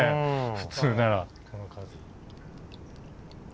普通ならこの数。